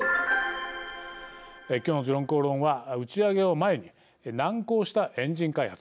今日の「時論公論」は打ち上げを前に難航したエンジン開発。